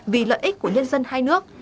vì lợi ích của nhân dân hai nước